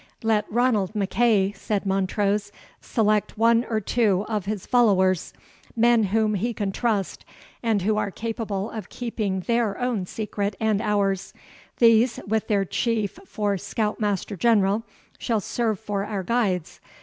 "Let Ranald MacEagh," said Montrose, "select one or two of his followers, men whom he can trust, and who are capable of keeping their own secret and ours; these, with their chief for scout master general, shall serve for our guides.